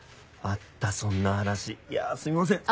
あったそんな話いやぁすみません。